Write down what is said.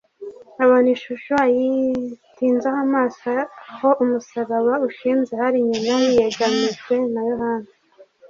abona ishusho ayitinzaho amaso. Aho umusaraba ushinze hari nyina yiyegamijwe na Yohana.